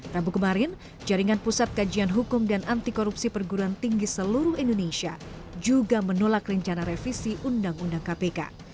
rabu kemarin jaringan pusat kajian hukum dan anti korupsi perguruan tinggi seluruh indonesia juga menolak rencana revisi undang undang kpk